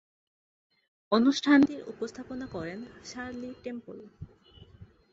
অনুষ্ঠানটির উপস্থাপনা করেন শার্লি টেম্পল।